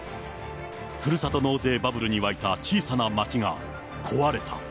ふるさと納税バブルに沸いた小さな町が、壊れた。